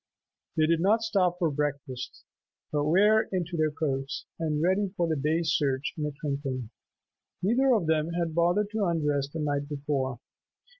They did not stop for breakfast, but were into their coats and ready for the day's search in a twinkling. Neither of them had bothered to undress the night before.